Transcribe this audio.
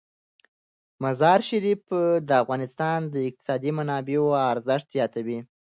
مزارشریف د افغانستان د اقتصادي منابعو ارزښت زیاتوي.